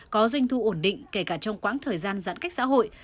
có doanh thu ổn định kể cả trong quãng thời gian giãn cách xã hội